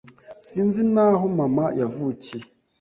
Sinzi n'aho mama yavukiye.